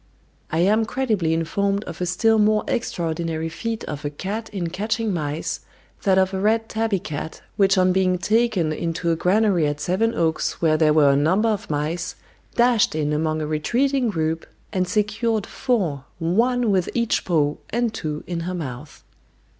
I am credibly informed of a still more extraordinary feat of a cat in catching mice, that of a red tabby cat which on being taken into a granary at Sevenoaks where there were a number of mice, dashed in among a retreating group, and secured four, one with each paw and two in her mouth.